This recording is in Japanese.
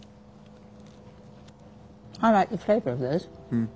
うん。